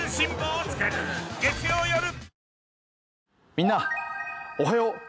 みんなおはよう。